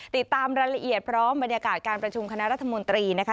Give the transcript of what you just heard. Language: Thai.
ติดตามรายละเอียดพร้อมบรรยากาศการประชุมคณะรัฐมนตรีนะคะ